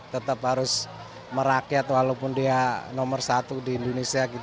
tetap harus merakyat walaupun dia nomor satu di indonesia